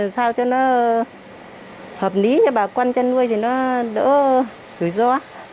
sao cho nó hợp lý cho bà con chăn nuôi thì nó đỡ rủi ro